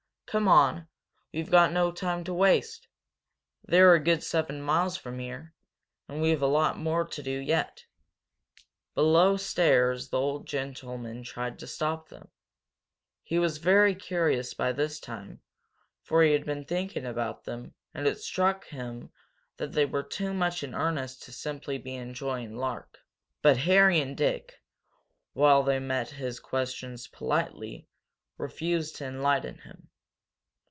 Come on! We've got no time to waste. They're a good seven miles from here, and we've a lot more to do yet." Below stairs the old gentleman tried to stop them. He was very curious by this time, for he had been thinking about them and it had struck him that they were too much in earnest to simply be enjoying lark. But Harry and Dick, while they met his questions politely, refused to enlighten him.